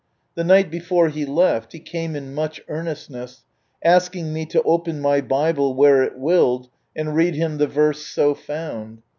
The night before he left, he came in much earnestness, asking me to open my Bible " where it willed," and read him the verse so found.